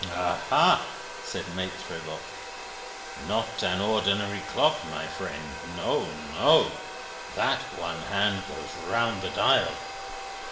"Aha!" said Maitre Voigt. "Not an ordinary clock, my friend. No, no. That one hand goes round the dial.